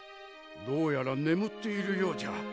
どうやら眠っているようじゃ。